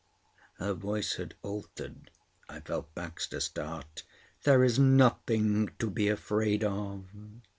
Her voice had altered. I felt Baxter start. "There's nothing to be afraid of."